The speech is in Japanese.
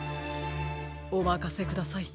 おまかせください。